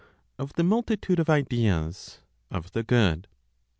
Of the Multitude of Ideas; Of the Good.